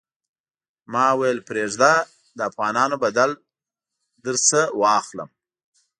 ما ویل پرېږده د افغانانو بدل درنه واخلم.